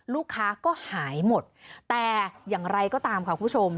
ลูกค้าก็หายหมดแต่อย่างไรก็ตามค่ะคุณผู้ชม